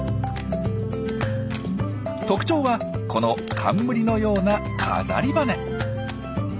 特徴はこの冠のような飾り羽。